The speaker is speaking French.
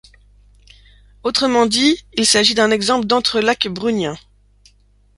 Autrement dit, il s'agit d'un exemple d'entrelacs brunnien.